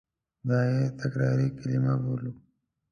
دا یې تکراري کلیمه بولو.